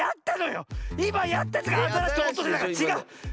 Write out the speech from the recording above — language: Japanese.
いまやったやつがアザラシとオットセイだからちがう！